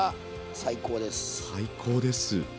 最高です。